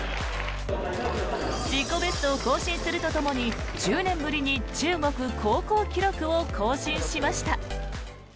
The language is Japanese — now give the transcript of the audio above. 自己ベストを更新するとともに１０年ぶりに中国高校記録を更新しました。